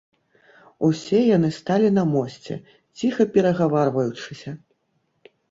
Усе яны сталі на мосце, ціха перагаварваючыся.